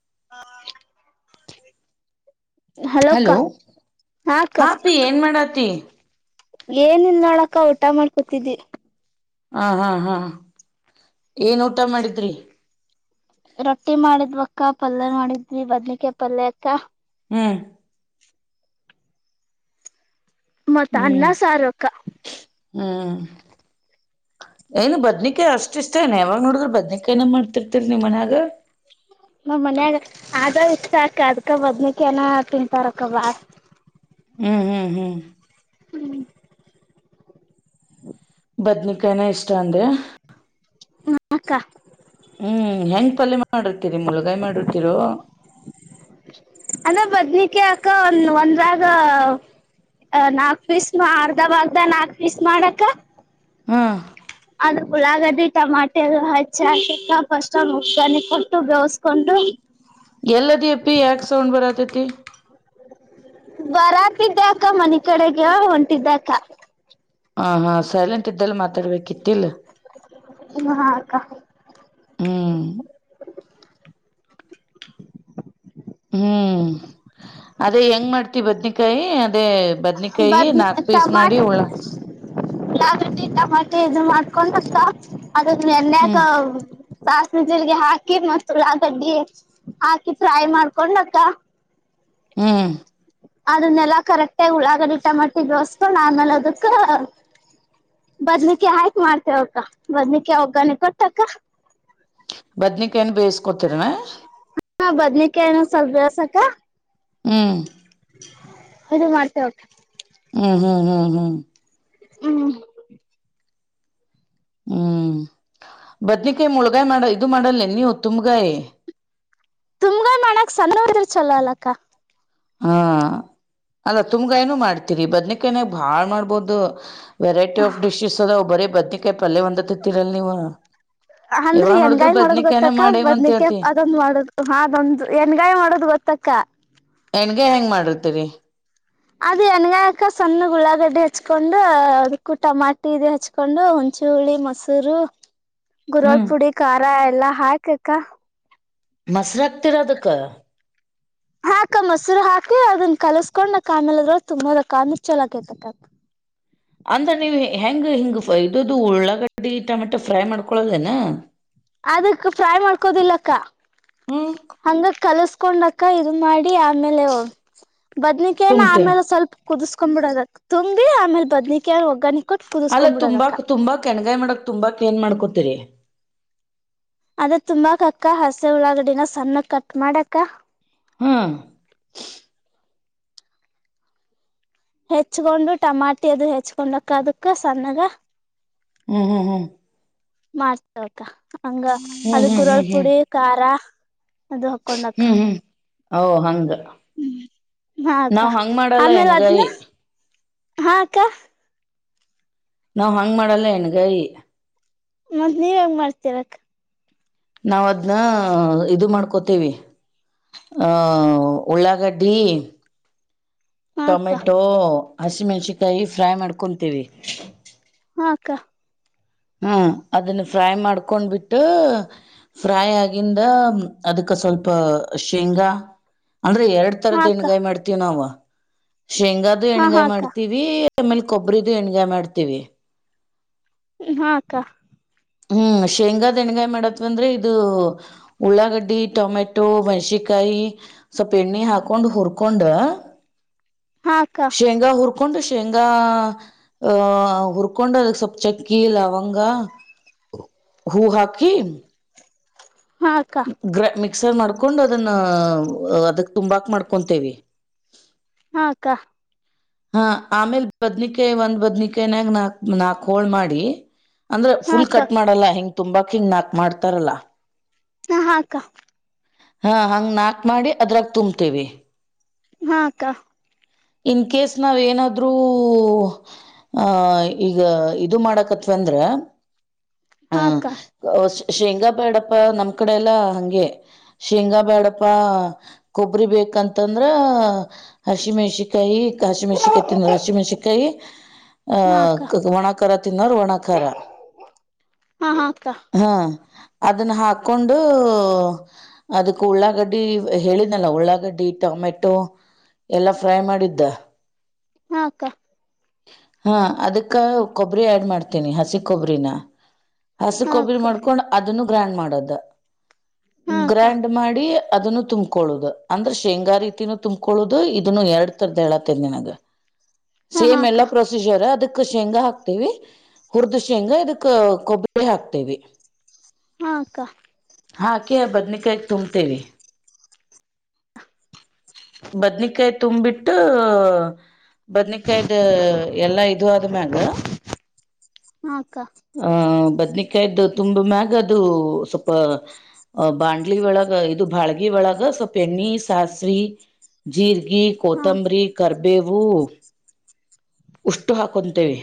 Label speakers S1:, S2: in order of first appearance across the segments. S1: [unintelligible]
S2: Hello ಹಾ ಪಿ ಏನ್ ಮಾಡತ್ತಿ.
S1: ಏನ ಇಲ್ ನೋಡಕ್ಕ ಊಟ ಮಾಡ್ಕೊತಿದ್ದಿ.
S2: ಹಾ ಹಾ ಹಾ ಏನ್ ಊಟ ಮಾಡಿದ್ರಿ.
S1: ರೊಟ್ಟಿ ಮಾಡಿದ್ವಕ್ಕ ಪಲ್ಯ ಮಾಡಿದ್ವಿ ಬದ್ನಿಕಾಯ್ ಪಲ್ಯ ಅಕ್ಕ.
S2: ಹ್ಮ್
S1: ಮತ್ತ ಅನ್ನ
S2: ಹ್ಮ್
S1: ಸಾರು ಅಕ್ಕ.
S2: ಹ್ಮ್ ಏನು ಬದ್ನಿಕಾಯಿ ಅಷ್ಟಿಷ್ಟ ಏನ ಯಾವಾಗ್ ನೋಡಿದ್ರ ಬದ್ನಿಕಾಯಿನ ಮಾಡ್ತಿರ್ತರಿ ನಿಮ್ ಮನ್ಯಾಗ.
S1: ನಮನ್ಯಾಗ ಆದ ಇಷ್ಟ ಆಕ ಅದ್ಕ ಬದ್ನಿಕ್ಕೇನ ತಿಂತಾರಕ್ಕ ಬಾಳ.
S2: ಹ್ಮ್ ಹ್ಮ್ ಹ್ಮ್
S1: ಹ್ಮ್
S2: ಬದ್ನಿಕಾಯನ ಇಷ್ಟ ಅಂದೆ.
S1: ಮ ಕ್ಕ.
S2: ಹ್ಮ್ ಹೆಂಗ್ ಪಲ್ಯ ಮಾಡಿರ್ತೀರಿ ಮುಳಗಾಯ ಮಾಡಿರ್ತಿರೋ.
S1: ಕೆ ಅಕ್ಕ ಒಂದ ಒಂದ್ರಾಗ ನಾಕ್ ಪೀಸ್ನ ಅರ್ಧ ಬಾಗ್ದ ನಾಕ್ ಪೀಸ್ ಮಾಡಕ್ಕ.
S2: ಹ್ಮ
S1: ಉಳ್ಳಾಗಡ್ಡಿ ಟಮಾಟೆ ಎಲ್ಲ ಹಚ್ಚಿ ಹಾಕಕ್ಕ ಫಸ್ಟ್ ಒ ಉಗನಿ ಕೊಟ್ಟು ಬೇವಸ್ಕೊಂಡು.
S2: ಎಲ್ಲದಿ ಯಪ್ಪಿ ಯಾಕ್ ಸೌಂಡ್ ಬರಾತತಿ.
S1: ಬರಾತಿದ್ದೆ ಅಕ್ಕ ಮನಿ ಕಡೆಗೆ ಹೊಂಟಿದ್ದಕ್ಕ.
S2: ಹ ಹಾ ಸೈಲೆಂಟ್ ಇದ್ದಲ್ಲಿ ಮಾತಾಡ್ಬೇಕಿತ್ತಲ್.
S1: ಹಾಕ್ಕ.
S2: ಹ್ಮ್ ಹ್ಮ್ ಅದೇ ಹೆಂಗ್ ಮಾಡ್ತಿ ಬದ್ನಿಕಾಯಿ ಅದೇ ಬದ್
S1: ಬದ್ನೇ ಟಮಾ [unintelligible] ಟಮಾಟಿ ಇದು ಮಾಡ್ಕೊಂಡು ಕ ಅದನ್ ಎಣ್ಣೇಕ
S2: ಹ್ಮ್
S1: ಸಾಸ್ವಿ ಜೀರ್ಗಿ ಹಾಕಿ ಮತ್ ಉಳ್ಳಾಗಡ್ಡಿ ಹಾಕಿ ಫ್ರೈ ಮಾಡ್ಕೊಂಡ್ ಮ್ಯಾಕ
S2: ಹ್ಮ್
S1: ಅದನ್ನೆಲ್ಲಾ ಕರೆಕ್ಟಾಗಿ ಉಳ್ಳಾಗಡಿ ಟಮಟ್ಟಿ ದೋಸ್ಕು ಆಮೇಲೆ ಅದಕ್ಕ [unintelligible] ಬದ್ನೇಕಾಯಿ ಹಾಕ್ ಮಾಡ್ತೇವಕ್ಕ ಬದ್ನಿಕೆ ಒಗ್ಗಣೆ ಕೊಟ್ಟಕ್ಕ.
S2: ಬದ್ನಿಕಾಯ್ ನ ಬೇಯಿಸಕೊತರನ
S1: ಹಾ ಬದ್ನೇಕಾಯ ಏನ್ ಸ್ವಲ್ಪ ಬೇಯಿಸಬೇಕ
S2: ಹ್ಮ್
S1: [unintelligible] ಇದು ಮಾಡ್ತೇವಕ
S2: ಹ್ಮ್ ಹ್ಮ್ ಹ್ಮ್ ಹ್ಮ್
S1: ಹ್ಮ್
S2: ಹ್ಮ್ [unintelligible] ಬದ್ನೇಕಯಿ ಮುಳ್ಗಾಯ್ ಮಾಡ ಇದು ಮಾಡಲ್ಲ ಏನ್ ನೀವ್ ತುಮಗಾಯಿ.
S1: ತುಮ್ಗಾಯಿ ಮಾಡಕ್ ಸಣವ್ ಇದ್ರ ಚಲೋ ಅಲಕ
S2: ಹಾ ಅಲ್ಲ ತುಮಗಾಯಿ ಏನು ಮಾಡ್ತೀರಿ ಬದ್ನಿಕಾಯನಾಗ ಬಾಳ್ ಮಾಡ್ಬೋದು ವೆರೈಟಿ ಆಫ್ ಡಿಶಸ್ ಅದವ್ ಬರೇ ಬದ್ನಕಾಯಿ ಪಲ್ಲೆ ಒಂದತ್ತತೀರಲ್ ನೀವು.
S1: ಅಂದ್ರೆ
S2: ಯಾವಾಗ ನೋಡಿದ್ರು
S1: ಹೆಣಗಾಯಿ ಮಾಡೋದ್
S2: ಬದ್ನಿಕಾಯನ
S1: ಗೊತ್ತಕ್ಕ
S2: ಮಾಡೇವ ಅಂತ
S1: ಬದ್ನಕ್ಕೆ
S2: ಹೇಳ್ತಿ
S1: ಅದೊಂದ್ ಮಾಡದ ಹಾದೊಂದು ಹೆಣಗಾಯಿ ಮಾಡೋದ್ ಗೊತ್ತಕ್ಕ.
S2: ಹೆಣ್ಗಾಯಿ ಹೆಂಗ್ ಮಾಡರ್ತೀರಿ
S1: ಅದು ಎನ್ಗಾಯಿ ಅಕಾ ಸಣ್ಣ ಉಳ್ಳಾಗಡ್ಡೆ ಹಚ್ಕೊಂಡು ಅದಕ್ಕೂ ಟಮಾಟಿ ಇದು ಹಚ್ಕೊಂಡು ಹುಣಚಿ ಹುಳಿ ಮೊಸೂರು
S2: ಹ್ಮ್
S1: ಗುರುವಲ್ಪುಡಿ ಕಾರ್ ರ ಎಲ್ಲಾ ಹಾಕೇಕ
S2: ಮಸ್ರ ತ್ತಿರದಕ
S1: ಹ ಅಕ ಮೊಸರು ಹಾಕಿ ಅದನ್ನ ಕಲಸ್ಕೊಂಡ್ ನಕ್ ಆಮೇಲೆ ಅದ್ರೊಳಗ ತುಂಬದ ಅಕ್ಕಾ ಅಂದ್ರ ಚಲ ಅಕ್ಕೈತಕ.
S2: ಅಂದ್ರ ನೀವು ಹೆಂಗ ಹಿಂಗ್ [unintelligible] ಇದುದು ಉಳ್ಳಾಗಡ್ಡಿ ಟೊಮೆಟೊ ಫ್ರೈ ಮಾಡ್ಕೊಳ್ಳದೇನ
S1: ಅದಕ್ ಫ್ರೈ ಮಾಡ್ಕೋದಿಲ್ಲಕ್ಕ [unintelligible]
S2: ಹ್ಮ್
S1: ಹಾಂಗ ಕಲಸ್ ಕೊಂಡಕ್ಕ ಇದು ಮಾಡಿ ಆಮೇಲೆ ಬದ್ನಿಕೇನ
S2: ತುಂಬ್ತೇವೆ
S1: ಆಮೇಲೆ ಸ್ವಲ್ ಕುದಿಸ್ಕೊಂಡ್ ಬಿಡೋದಕ ತುಂಬಿ ಆಮೇಲೆ ಬದ್ನಿಕಾಯಿ ಒಗ್ಗಾಣಿ
S2: ಅಲ್ಲ ತುಂಬಾಕ್ ತುಂಬಾಕ್ ಎಣಗಾಯಿ ಮಾಡಕ್ ತುಂಬಾಕ್ ಏನ್ ಮಾಡ್ಕೊತೀರಿ
S1: ಅದಕ್ ತುಂಬಾಕ್ ಅಕ್ಕ ಹಸಿ ಉಳ್ಳಾಗಡಿನ ಸಣ್ಣ ಕಟ್ ಮಾಡ್ಯಾಕ
S2: ಹ್ಮ್
S1: ಹೆಚ್ಕೊಂಡು ಟಮಾಟಿ ಅದು ಹೆಚ್ಕೊಂಡಕ್ಕ ಅದಕ್ಕ ಸಣ್ಣಗ
S2: ಹ್ಮ್ ಹ್ಮ್ ಹ್ಮ್.
S1: ಮಸ್ತ್. ಹಂಗ ಅದ
S2: ಹ್ಮ್
S1: ಗುರಳ
S2: ಹ್ಮ್ ಹ್ಮ್
S1: ಪುಡಿ ಖಾರ. ಅದು ಹಾಕ್ಕೊಂಡಕ್.
S2: ಹ್ಮ್ ಹ್ಮ್ ಓ ಹಂಗ.
S1: ಹ್ಮ ಅಕ್ಕ
S2: ನಾವ್ ಹಂಗ್ ಮಾಡಲ್ಲ
S1: ಆಮೇಲೆ ಅದ್ನ.
S2: ಎಣ್ಗಾಯಿ
S1: ಹಾ ಅಕ್ಕ.
S2: ನಾವ್ ಹಂಗ್ ಮಾಡಲ್ಲ ಹೆಣಗಾಯಿ.
S1: ಮತ್ತತ್ ನೀವ್ ಹೆಂಗ ಮಾಡ್ತಿರಕ್.
S2: ನಾವ ಅದ್ನ್ನ ಇದು ಮಾಡ್ಕೋತೇವಿ ಅಹ ಉಳ್ಳಾಗಡ್ಡಿ.
S1: ಹಾ ಅಕ್ಕ
S2: ಟೊಮೆಟೊ. ಹಸಿಮೆಣಸಿನ್ಕಾಯಿ ಫ್ರೈ ಮಾಡ್ಕೊತೀವಿ.
S1: ಹಾ ಅಕ್ಕ.
S2: ಹ್ಮ ಅದನ್ನ ಫ್ರೈ ಮಾಡ್ಕೊಂಡ್ಬಿಟ್ಟು ಫ್ರೈ ಆಗಿಂದ ಅದಕ್ಕ ಸ್ವಲ್ಪ ಶೇಂಗಾ. ಅಂದ್ರೆ ಎರಡ್ ತರದ
S1: ಅಕ್ಕ
S2: ಹೆಣಗಾಯಿ ಮಾಡ್ತೀವಿ ನಾವು. ಶೇಂಗದುು
S1: ಹಾ
S2: ಎಣಗಾಯಿ
S1: ಅಕ್ಕ
S2: ಮಾಡ್ತೀವಿ. ಆಮೇಲೆ ಕೊಬ್ಬರಿದು ಹೆಣಗಾಯಿ ಮಾಡ್ತೀವಿ.
S1: ಹ ಹಾ ಅಕ್ಕ.
S2: ಹ್ಮ್ ಶೇಂಗಾದ ಹೆಣಗಾಯಿ ಮಾಡತ್ವಂದ್ರೆ ಇದು ಉಳ್ಳಾಗಡ್ಡಿ ಟೊಮೆಟೊ ಮೆಣ್ಸಿಕಾಯಿ ಸ್ವಪ ಎಣ್ಣೆ ಹಾಕೊಂಡ್ ಉರ್ಕೊಂಡ.
S1: ಹಾ ಅಕ್ಕ
S2: ಶೇಂಗಾ ಉರ್ಕೊಂಡು ಹರ್ಕೊಂಡು ಶೇಂಗಾ ಆಹ ಉರ್ಕೊಂಡು ಅದಕ್ ಸ್ವಲ್ಪ್ ಚಕ್ಕಿ ಲವಂಗ. ಹೂ ಹಾಕಿ.
S1: ಹಾ ಅಕ್ಕ
S2: ಗ್ರಾಂಡ್ ಮಿಕ್ ಎಕ್ಸರ್ ಮಾಡ್ಕೊಂಡ್ ಅದನ್ನ ಅದಕ್ ತುಂಬಾಕ್ ಮಾಡ್ಕೊಂತೇವಿ.
S1: ಹಕ್ಕಾ.
S2: ಹಾ ಆಮೇಲ್ ಬದ್ನಿಕಾಯಿ ಒಂದ್ ಬದ್ನಿಕಾಯನಾಗ ನಾಕ್ ನಾಕ್ ಹೋಳ್ ಮಾಡಿ. ಅಂದ್ರೆ
S1: ಹಾ
S2: ಫುಲ್
S1: ಅಕ್ಕ
S2: ಕಟ್ ಮಾಡಲ್ಲ ಹೆಂಗ. ತುಂಬಾಕ್ ಹಿಂಗ ನಾಕ್ ಮಾಡ್ತಾರಲ್ಲಾ.
S1: ಹಾ ಹಾಕ್ಕ.
S2: ಹಾ ಹಂಗ ನಾಕ್ ಮಾಡಿ ಅದ್ರಾಕೆ ತುಂಬತೇವಿ.
S1: ಹಾಕ್ಕಾ.
S2: ಇನ್ಕೇಸ್. ನಾವ ಏನಾದ್ರು ಆಹ ಈಗ ಇದು ಮಾಡಕತ್ವ ಅಂದ್ರೆ. ಹಾ- ಶೇಂಗಾ ಬ್ಯಾಡಪ್ಪ ನಮ್ ಕಡೆ ಎಲ್ಲಾ ಹಂಗೆ ಶೇಂಗಾ ಬ್ಯಾಡಪ್ಪಾ ಕೊಬ್ಬರಿ ಬೇಕಂತಂದ್ರ ಹಸಿ ಮೆಣಸಿಕಾಯಿ. ಹಸಿ ಮೆಣಸಿನಕಾಯಿ ತಿನ್ನೋ ಹಸಿಮೆಣಸಿನಕಾಯಿ.
S1: ಹಾ
S2: ಅಹ
S1: ಅಕ್ಕ
S2: ಕ ಒಣಕಾರ ತಿನ್ನೋರು ಒಣಾಕಾರ
S1: ಹಾ ಅಕ್ಕ ಹಾ ಅಕ್ಕ
S2: ಹ್ಮ. ಅದನ್ನ ಹಾಕೊಂಡು ಅದಕ್ ಉಳ್ಳಾಗಡ್ಡಿ ಹೇಳಿದನಲ್ಲ ಉಳ್ಳಾಗಡ್ಡಿ ಟೊಮೆಟೊ ಎಲ್ಲಾ ಫ್ರೈ ಮಾಡಿದ್ದ.
S1: ಹಾಕ್ಕ.
S2: ಹಾ ಅದಕ್ಕ ಕೊಬ್ಬರಿ ಆಡ್ ಮಾಡ್ತೀನಿ ಹಸಿ ಕೊಬರಿನ. ಹಸ
S1: ಹಾ ಅಕ್ಕ ಹಾ
S2: ಕೊಬ್ಬಿರಿ ಮಾಡ್ಕೊಂಡ್ ಅದನ್ನು. ಗ್ರ್ಯಾಂಡ್ ಮಾಡದು.
S1: ಅಕ್ಕ
S2: ಗ್ರ್ಯಾಂಡ್ ಮಾಡಿ. ಅದನ್ನು ತುಂಬಕೊಳದು ಅಂದ್ರೆ ಶೇಂಗಾ ರೀತಿನೂ ತುಂಬಕೊಳದು ಇದನ್ನು ಎರಡ್ ತರದ ಹೇಳತ್ತೇರ್ ನಿನಗ.
S1: ಹಾ ಹಾ
S2: ಸೇಮ್
S1: ಅಕ್ಕ
S2: ಎಲ್ಲ ಪ್ರೊಸೀಜರ ಅದಕ್ಕ. ಖುಷಿ ಶೆಂಗಾ ಹಾಕ್ತೀವಿ. ಹುರ್ದ್ ಶೆಂಗಾ ಇದುಕ್ಕ. ಕೊಬ್ಬರಿ ಹಾಕ್ತೇವಿ.
S1: ಹಾ ಅಕ್ಕ.
S2: ಹಾಕೆ ಬದ್ನಿಕಾಯ ತುಂಬ್ತೇನಿ. ಬದ್ನಿಕಾಯಿ ತುಂಬ್ಬಿಟ್ಟು ಬದ್ನಿಕಾಯ್ದ ಎಲ್ಲಾ ಇದು ಆದ್ಮ್ಯಾಗ.
S1: ಹಾ ಅಕ್ಕ
S2: ಹ ಬದ್ನಿಕಾಯ್ದು. ತುಂಬ್ ಮ್ಯಾಗ ಅದು ಸ್ವಲ್ಪ ಬಾಂಡ್ಲಿ ಒಳಗ ಇದು ಬಾಳ್ಗಿ ಒಳಗ ಸ್ವಲ್ಪ ಎಣ್ಣಿ ಸಾಸಿವಿ ಜೀರ್ ಗಿ
S1: ಹಾ
S2: ಕೊತಂಬರಿ ಕರ್ ಬೇವು. ಇಷ್ಟು ಹಾಕೊಂತೇವಿ.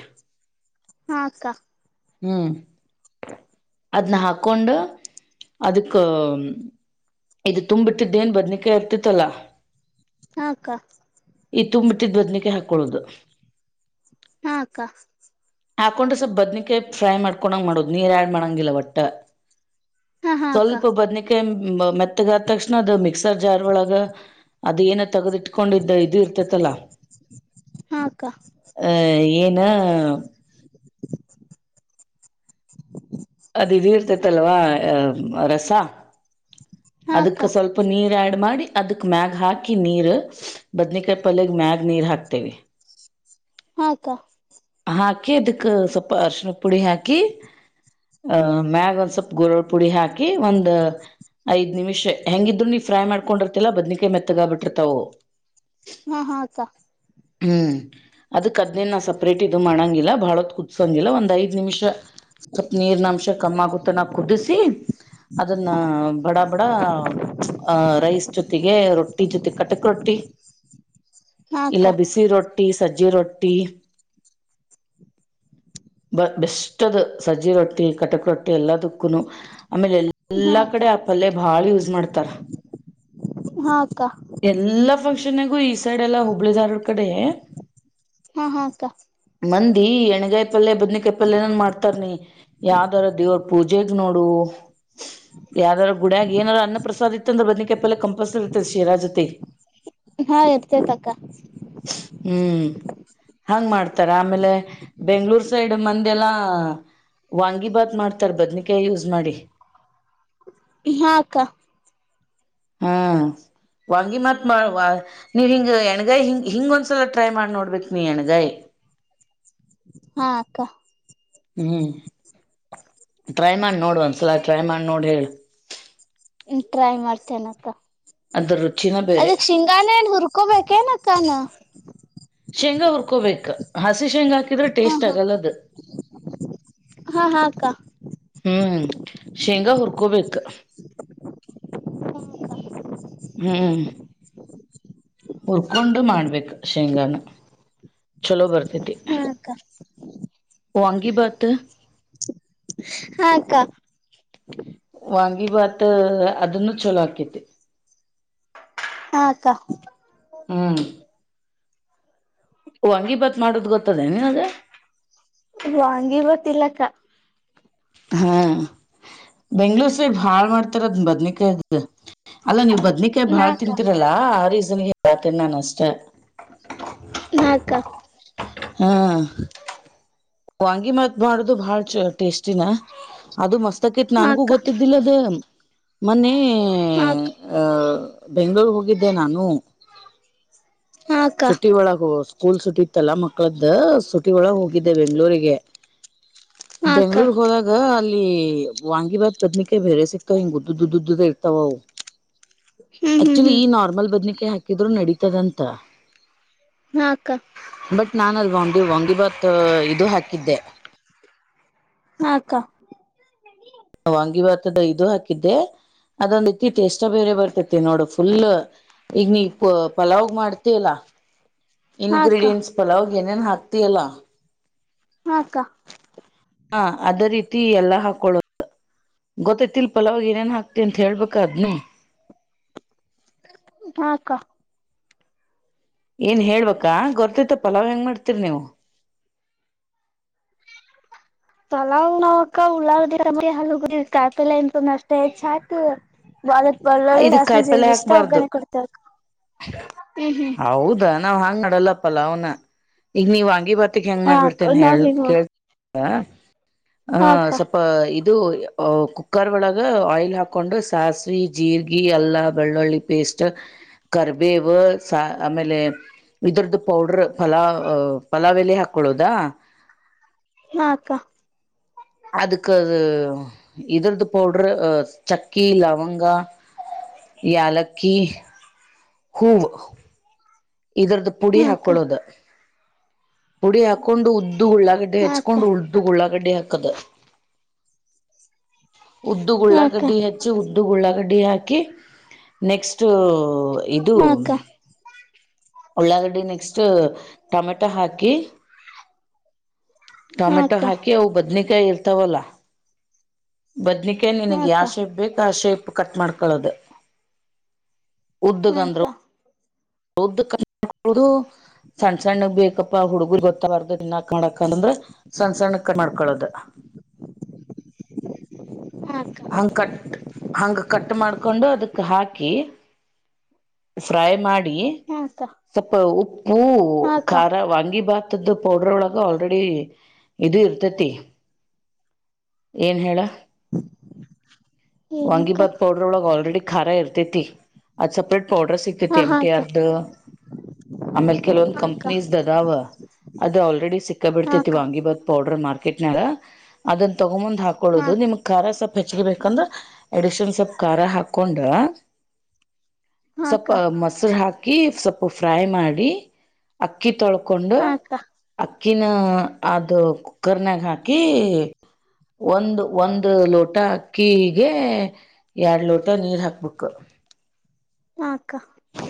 S1: ಹಾ ಅಕ್ಕಾ.
S2: ಹ್ಮ್ ಅದ್ನ ಹಾಕೊಂಡು ಅದಕ್ಕ ಇದು ತುಂಬ್ಬಿಟ್ಟಿದ್ದೇಏನ್ ಬದ್ನಿಕಾಯಿ ಇರ್ತಿತ್ತಲ್ಲ.
S1: ಅಕ್ಕ
S2: ಈ ತುಂಬ್ಬಟ್ಟಿದ್ದ್ ಬದ್ನಕ್ಕೆ ಹಾಕ್. ಕೊಳದು.
S1: ಹಾ ಅಕ್ಕಾ.
S2: ಹಾಕೊಂಡ್ರೆ ಸ್ವಲ್ ಬದ್ನಿಕೆ ಫ್ರೈ ಮಾಡ್ಕೊಂಗ ಮಾಡೋದು ನೀರ್ ಆ್ಯಡ್ ಮಾಡಂಗಿಲ್ಲ ಒಟ್ಟ.
S1: ಹಾ ಹಾ ಅಕ್ಕ
S2: ಸ್ವಲ್ಪ ಬದನಿಕಾಯ. ಮೆತ್ತಗ ಅದ ತಕ್ಷಣ ಅದು ಮಿಕ್ಸರ್ ಜಾರ್ ಒಳಗ ಅದು ಏನಿ ತಗದಿಟ್ಕೊಂಡಿದ್ದ ಇದು ಇರ್ತತಲ್ಲ. ಅ ಏನ. ಅ
S1: [inaudible]
S2: ವೀರ್ತೆತ್ತಲ್ವಾ ರಸಾ.
S1: ಹಾ ಅಕ್ಕ
S2: ಅದಕ್ಕ ಸ್ವಲ್ಪ ನೀರ್ ಆ್ಯಡ್ ಮಾಡಿ ಅದಕ್. ಮ್ಯಾಗ ಹಾಕಿ ನೀರ್ ಬದ್ನೀಕಾಯಿ ಪಲ್ಯಗ್ ಮ್ಯಾಗ್ ನೀರ್ ಹಾಕ್ತೇವಿ.
S1: ಹ ಅಕ
S2: ಹಾಕಿ ಅದಕ್ ಸ್ವಲ್ಪ ಅರ್ಶಣಕ್ ಪುಡಿ ಹಾಕಿ [unintelligible] ಹ ಮ್ಯಾಗ ಒಂದ್ ಸ್ವಲ್ಪ್ ಗೋರಳ ಪುಡಿ ಹಾಕಿ ಒಂದ್ ಐದ್ ನಿಮಿಷ ಹೆಂಗಿದ್ರು ನೀ ಫ್ರೈ ಮಾಡ್ಕೊಂಡಿರ್ತಿಲ್ಲ ಬದ್ನಿಕಾಯಿ ಮೆತ್ತಗ ಆಗ್ ಬಿಟ್ಟಿರ್ತವವು
S1: ಹ ಹ ಅಕ
S2: ಹ್ಮ್ ಅದ ಕದ್ನೇನ್ ನಾ ಸಪ್ರೇಟ್ ಇದು ಮಾಡಂಗಿಲ್ಲ ಬಹಳತ್ ಕುದಸಂಗಿಲ್ಲ ಒಂದ್ ಐದ್ ನಿಮಿಷ ಸ್ವಲ್ಪ ನೀರ್ನಂಶ ಕಮ್ಮಾಗು ತನ ಕುದಿಸಿ ಅದನ್ನ ಬಡ ಬಡ [unintelligible] ಹ ರೈಸ್ ಜೊತೆಗೆ ರೊಟ್ಟಿ ಜೊತೆ ಕಟಕ್ ರೊಟ್ಟಿ
S1: ಹಾ
S2: [unintelligible] ಇಲ್ಲ ಬಿಸಿ ರೊಟ್ಟಿ ಸಜ್ಜಿ ರೊ ಟ್ಟಿ [unintelligible] ಬ ಬೆಸ್ಟ್ ಅದು ಸಜ್ಜಿ ರೊಟ್ಟಿ ಕಟಕ್ ರೊಟ್ಟಿ ಎಲ್ಲದು ಕುನು ಆಮೇಲೆ ಎಲ್ಲಾ
S1: ಅಕ್ಕ
S2: ಕಡೆ ಆ ಪಲ್ಯ ಬಾಳ್ ಯೂಸ್ ಮಾಡ್ತಾರ.
S1: ಹಾ ಅಕ್ಕ
S2: ಎಲ್ಲಾ ಫಕ್ಷನ್ ದುನೆಗು ಈಸ್ ಸೈಡ್ ಎಲ್ಲಾ ಹುಬ್ಳಿ ಧಾರವಾಡ್ ಕಡೆ
S1: ಹಾ ಹಾ ಅಕ
S2: ಮಂದಿ ಎಣಗ ಪಲ್ಲೆ ಬದ್ನಿಕಾಯ್ ಪಲ್ಲೆನನ್ ಮಾಡ್ತಾರನಿ ಯಾವ್ದಾರ ದೇರ್ವ್ ಪೂಜೆ ನೋಡು [unintelligible] ಯಾರಾರ ಗುಡ್ಯಾಗ್ ಏನರ ಅನ್ನ ಪ್ರಸಾದ ಇತ್ತ ಅಂದ್ರೆ ಬದ್ನಿಕಾಯ್ ಪಲ್ಯ ಕಂಪಲ್ಸರಿ ಇರ್ತದ್ ಜೀರಾ ಜತಿ
S1: ಹಾ ಇರ್ತೀತಕ್ಕ [unintelligible]
S2: ತರ ಆಮೇಲೆ ಬೆಂಗ್ಳೂರ್ ಸೈಡ್ ಮಂದೆಲ್ಲಾ [unintelligible] ವಾಂಗಿಭಾತ್ ಮಾಡ್ತಾರ ಬದ್ನಕಾಯಿ ಯೂಸ್ ಮಾಡಿ.
S1: ಹ ಅಕ
S2: ಹ ವಾಂಗಿ ಬಾತ್ ನೀವ್ ಹಿಂಗ ಎಣಗಾಯಿ ಹಿಂಗ್ ಹಿಂಗೊಂದ್ಸಲ ಟ್ರೈ ಮಾಡಿ ನೋಡ್ಬೇಕಕ್ ನೀ ಎಣಗಾಯಿ.
S1: ಹಾ ಅಕ್ಕ
S2: ಹ್ಮ್ ಟ್ರೈ ಮಾಡಿ ನೋಡ್ ಒಂದ್ಸಲ ಟ್ರೈ ಮಾಡ್ ನೋಡ್ ಹೇಳ್
S1: ಇನ್ ಟ್ರೈ ಮಾಡ್ತೇನಕ್ಕ.
S2: ಅದ್ರ ರುಚಿನ
S1: [unintelligible]
S2: ಬೇರೆ
S1: ಅದಕ್ ಶಿಂಗಾನ ಏನ್ ಹುರ್ಕೊಬೇಕೇನಕ್ಕನ
S2: ಶೇಂಗಾ ಹುರ್ಕೋಬೇಕ್ ಹ ಹಸಿ ಶೇಂಗ್ ಹಾಕಿದ್ರೆ
S1: ಹ
S2: ಟೇಸ್ಟ್
S1: ಹ
S2: ಆಗಲ್ಲದ [unintelligible]
S1: ಹಾ ಹಾ ಅಕ್ಕ
S2: ಹ್ಮ್ ಶೇಂಗಾ ಹುರ್ಕೋಬೇಕ
S1: ಹು ಅಕ
S2: ಹ್ಮ್ ಹುರ್ಕೊಂಡು ಮಾಡ್ಬೇಕು ಶೇಂಗಾನ [unintelligible] ಚಲೋ ಬರ್
S1: ಹಾ ಅಕ್ಕಾ.
S2: ವಾಂಗಿ ಬಾತು.
S1: ಹಾ ಅಕ್ಕ
S2: ವಾಂಗಿ ಬಾತು ಅದನ್ನು ಚಲೋ. ಕಿದ್ದ.
S1: ಹಾಕ್ಕಾ
S2: ಹ್ಮ್ ವಾಂಗಿಬಾತ್ ಮಾಡೋದು ಗೊತ್ತದೆ ನಿನಗ.
S1: ವಾಂಗಿಬಾತ್ ಇಲ್ಲಕ.
S2: ಹಾ ಬೆಂಗ್ಳೂರ್ ಸೈ ಭಾಳ್ ಮಾಡ್ತಾರದ್ ಬದ್ನಿಕಾಯದ ಅಲ್ಲ ನೀವು ಬದ್ನಿಕ.
S1: ಹಾ
S2: ಬಾಳ
S1: ಅಕ್ಕ
S2: ತಿಂತರಲ್ಲಾ ಆ [unintelligible] ನಷ್ಟೆ
S1: ಹಾಕ್ಕ
S2: ಹಾ ವಾಂಗಿ ಬಾತ್ ಮಾಡುದು ಬಾಳ ಚ ಟೇಸ್ಟಿನ ಅದು ಮಸ್ ತಕಿತ್
S1: ಹಾ
S2: ನನ್ಗೂ
S1: ಅಕ್ಕ
S2: ಗೊತ್ತಿದ್ದಿಲ್ಲ ಅದು. ಮನ್ನೆ.
S1: ಹಾಕ್ಕ
S2: ಹ್ಮ ಅ ಬೆಂಗ್ಗಳೂರ್ ಹೋಗಿದ್ದೆ ನಾನು.
S1: ಹಾಕ್ಕ
S2: ಸುಟ್ಟಿ ವಳಾ ಹ ಸ್ಕೂಲ್ ಸು ಇತ್ತಲ್ಲಾ ಮಕ್ಕಳದ್ದ ಸುಟಿ ಒಳ ಹೋಗಿದ್ದ. ಇದೆ ಬೆಂಗ್ಳೂರಿಗೆ.
S1: ಹಾಕ್ಕ
S2: ಬೆಂಗಳೂರ್ ಹೋದಾಗ ಅಲ್ಲ್. ಲ್ಲಿ ವಾಂಗಿಭಾತ್ ಬದ್ನಿಕಾಯ ಬೇರೆ ಸಿಕ್ತಾವ ಹಿಂಗ ಉದ್ದ ದ್ದದ ಇರ್ತಾವವು.
S1: ಹ್ಮ್ ಹ್ಮ್
S2: ಆಕ್ಚುಲಿ
S1: ಹ್ಮ್
S2: ಈ ನಾರ್ಮಲ್ ಬದನಿಕಾ ಹಾಕಿದ್ರು ನಡೀತದಂತ.
S1: ಹಾಕ್ಕ.
S2: ಬಟ್ ನಾನು ಅಲ್ಲಿ ವಾಂಗಿ ವಾಂಗಿಬಾತ್. ಇದು ಹಾಕಿದ್ದೆ.
S1: ಹಾಕ್ಕ
S2: ವಾಂಗಿ ಭಾತದ ಇದು ಹಾಕಿದ್ದೆ ಅದೊಂದ ಇತಿ ಟೇಸ್ಟ ಬೇರೆ ಬರ್ತತಿ ನೋಡು ಫುಲ್ ಈಗ ನೀ ಪ ಪಲಾವ್ಗ ಮಾಡ್ತಿಯಲ್ಲಾ.
S1: ಹಾಕ್ಕ
S2: ಇನ್ಗ್ರೀಡಿಯಂಟ್ಸ್ ಪಲಾವ. ಏನೇನ್ ಹಾಕ್ತಿಯಲ್ಲಾ.
S1: ಹಾಕ್ಕ.
S2: ಹಾ ಅದೆ ರೀತಿ ಎಲ್ಲಾ ಹಾಕೊಳೋ ಗೊತ್ತೈತಿಲ್ ಪಲಾವಿಗೆ ಏನೇನ್ ಹಾಕ್ತಿ ಅಂತ ಹೇಳ್ಬೇಕ ಅದ್ನು.
S1: ಹಾಕ್ಕಾ.
S2: ಏನ್ ಹೇಳ್ಬೇಕ ಗೊತ್ತೈತ್ತ ಪಲಾವ್ ಹೆಂಗ್ ಮಾಡ್ತೀರಿ ನೀವು.
S1: ಪಲಾವ್ ನಾವ್ ಅಕ್ಕ ಉಳ್ಳಾಗಡ್ಡಿ ಟಮಟೆಯನ್ನು ಆಲೂಗಡ್ಡೆ ಕಾಯಿಪಲ್ಲೆ ಇಂಥದನ್ ಅಷ್ಟೇ ಹೆಚ್ಚಾಕು. [unintelligible] ಬಳ್ಳೊಳ್ಳ
S2: ಇದಕ್
S1: ಸಾಸಿವೆ
S2: ಕಾಯಿಪಲ್ಯ
S1: ಜಿರಾಗಿ ಇಷ್ಟ
S2: ಹಾಕ್ಬಾರ್ದು
S1: ಒಗ್ಗನೆೆ ಕೊಡ್ತಾಕ. ಹ್ಮ್ ಹ್ಮ್
S2: ಹೌದಾ ನಾವ್ ಹಾಂಗ್ ಮಾಡಲ್ಲ ಪಲಾವ್ನ ಈಗ ನೀವ್. ಈ ಬಾತಿಕ್ ಹೆಂಗ್
S1: ಹಾಕ
S2: ಮಾಡ್ಬಿಡ್ತೇನೆ ಹೇಳ
S1: ನಾವ್ ಹೀಗ್ ಮಾಡ
S2: ಕೇಳ್. [unintelligible] ಹಾ
S1: ಹಾಕ್ಕ
S2: ಸೊಪ್ಪಾ ಇದ್ ಇದು ಕುಕ್ಕರ್ ಒಳಗ ಆಯಿಲ್ ಹಾಕೊಂಡು ಸಾಸಿವಿ ಜೀರ್ಗಿ ಎಲ್ಲಾ ಬೆಳ್ಳುಳ್ಳಿ ಪೇಸ್ಟ್. ಕರ್ಬೇವು ಸಾ ಆಮೇಲೆ ಇದುರ್ದ ಪೌಡರ್ ಪಲಾವ್ ಪಲಾವ್ ಎಲೆ ಹಾಕೊಳ್ಳೋದಾ.
S1: ಹಾಕ್ಕಾ
S2: ಅದಕ್ಕೆ ಅ ಇದ್ರದು ಪೌಡರು ಚಕ್ಕಿ ಲವಂಗ. ಯಾಾಲಕ್ಕಿ. ಹೂವು. ಇದುರದ್ದ ಪುಡಿ
S1: ಹಾಕ್ಕ
S2: ಹಾಕೊಳ್ಳೋದು. ಪುಡಿ ಹಾಕೊಂಡು ಉದ್ದು ಉಳ್ಳಾಗಡ್ಡೆ
S1: ಹಾಕ್ಕ
S2: ಹೆಚ್ಕೊಂಡು ಉದ್ದು ಉಳ್ಳಾಗಡ್ಡೆ ಹಾ ಕ್ಕದು.
S1: ಹಾಕ್ಕ
S2: ಉದ್ದುಗುಳ್ಳಾಗಡ್ಡಿ ಹೆಚ್ಚಿ ಉದ್ ಉಳ್ಳಾಗಡ್ಡಿ. ಫುಡಿ ಹಾಕಿ ನೆಕ್ಸ್ಟ್. ಕ್ಷ್ಟು ಇದು.
S1: ಹಾಕ್ಕ
S2: ಉಳ್ಳಾಗಡಿ ನೆಕ್ಸ್ಟ್ ಟೊಮೆಟೊ ಹಾಕಿ. ಟೊಮ್ಯಾಟೊ
S1: ಹಾಕ್ಕ
S2: ಹಾಕಿ ಅವು ಬದ್ನಿ [unintelligible] ಇರ್ತಾವಲ್ಲ ಬದ್ನಿಕೆ ನಿನಗ್ ಯಾ
S1: ಹಾಕ್ಕ
S2: ಶೇಪ್ ಬೇಕು ಆ ಶೇಪು. ಕಟ್ ಮಾಡ್ಕಳ್ಳದು‌.
S1: ಹಾಕ್ಕ ಹಾಕ್ಕ
S2: ಉದ್ದುಗಂದರ. [unintelligible] ಸಣ್ಣ ಸಣ್ಣಗ್ ಬೇಕಪ್ಪಾ ಹುಡುಗರ್ ಗೊತ್ತಬಾರ್ದ ಇನ್ನಕ್ ಮಾಡಕಂದ್ರ. ಸಣ್ಣ ಸಣ್ಣ ಕ ಮಾಡ್ಕಳ್ಳದು. ಹಂಗ
S1: ಹಾಕ್ಕ
S2: ಕಟ್ ಹಂಗ ಕಟ್ ಮಾಡ್ಕೊಂಡು ಅದಕ್ ಹಾಕಿ. ಫ್ರಾಯ್ ಮಾಡಿ ಸ್ವಲ್ಪ ಉಪ್ಪು
S1: ಹಾಕ್ಕ
S2: ಖಾರ ವಾಂಗಿಭಾತ್. ತ್ದ ಪೌಡರ್ ಒಳಗ ಆಲ್ರೆಡಿ ಇದು ಇರ್ತೇತಿ. ಏನ್ ಹೇಳ.
S1: ಏನಕ್ಕ
S2: ವಾಂಗಿಭಾತ್ ಪೌಡರ್ ಒಳಗೆ ಆಲ್ರೆಡಿ ಖಾರ ಇರ್ ತೀ ಆ ಸಪ್ರೇಟ್. ಪೌಡರ್ ಸಿಕ್ತತಿ
S1: ಹಾ
S2: ಎಂ ಟಿ
S1: ಹಾಕ್ಕ
S2: ಆರ್ ದ ಆಮೇಲ್ ಕೆಲವೊಂದ್
S1: ಹಾಕ್ಕ
S2: ಕಂಪನೀಸ್ ಅದಾವ ಅದು ಆಲ್ರೆಡಿ ಸಿಕ್ಕ ಬಿಡ್ತೈತಿ
S1: ಹಾಕ್ಕ
S2: ವಾಂಗಿ ಬಾತ್ ಪೌಡರ್. ಮಾರ್ಕೆಟ್ ನಾಗ ಅದನ್ ತೊಗಮಂದ. ಹಾಕೊಳ್ಳೋದು
S1: ಹಾಕ್ಕ
S2: ನಿಮ್ ಕರ ಸ್ವಲ್ಪ. ಹೆಚ್ಚಗೆ ಬೇಕಂದ್ರ ಅಡ್ಡಿಷನಲ್ ಸ್ವಲ್ಪ ಖಾರ ಹಾಕೊಂಡ್ರ. ಸ್ವಲ್ಪ
S1: ಹಾಕ್ಕ
S2: ಮೊಸರು ಹಾಕ. ಕಿ ಸ್ವಲ್ಪ ಫ್ರೈ ಮಾಡಿ ಅಕಿ ತೊ ಕೊಂಡು
S1: ಹಾಕ್ಕ
S2: ಅಕ್ಕಿನ ಆದ. ಕುಕ್ಕರ್ ನ ಹಾಕಿ ಒಂದು ಒಂದು ಲೋಟ. ಲೋಟ ಅಕ್ಕಿಗೆ. ಎರಡು ಲೋಟ ನೀರ್ ಹಾಕ್ಬೇಕು.
S1: ಹಾ ಅಕ್ಕ.